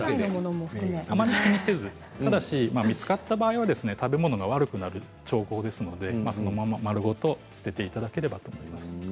ただし見つかった場合は食べ物が悪くなる兆候ですのでそのまま丸ごと捨てていただければと思います。